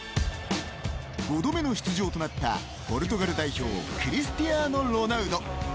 ５度目の出場となったポルトガル代表クリスティアーノロナウド。